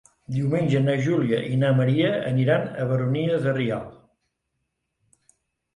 Diumenge na Júlia i na Maria aniran a la Baronia de Rialb.